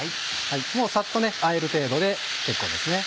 もうサッとあえる程度で結構ですね。